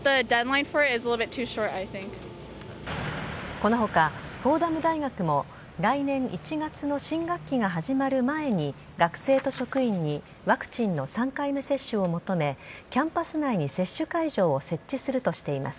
この他、フォーダム大学も来年１月の新学期が始まる前に学生と職員にワクチンの３回目接種を求めキャンパス内に接種会場を設置するとしています。